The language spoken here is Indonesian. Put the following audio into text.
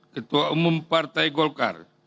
ketua umum partai goalcard